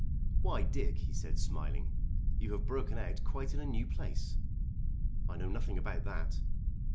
"Why, Dick," he said smiling, "you have broken out quite in a new place." "I know nothing about that."